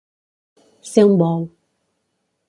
Ser un bou.